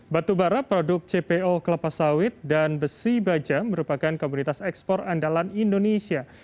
batu bara produk cpo kelapa sawit dan besi baja merupakan komunitas ekspor andalan indonesia